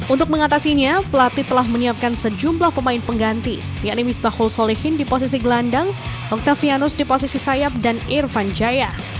untuk mengatasinya pelatih telah menyiapkan sejumlah pemain pengganti yakni misbahul solihin di posisi gelandang octavianus di posisi sayap dan irfan jaya